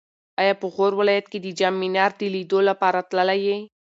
ایا په غور ولایت کې د جام منار د لیدو لپاره تللی یې؟